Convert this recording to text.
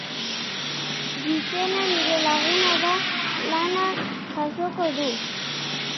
Gixena nire laguna da lana jasoko du.